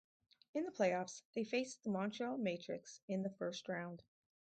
In the playoffs, they faced the Montreal Matrix in the first round.